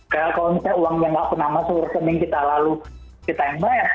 kalau misalnya uang yang tidak pernah masuk rekening kita lalu kita yang bayar